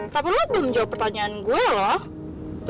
tapi lo belum jawab pertanyaan gue loh